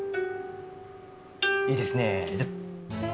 いいですね。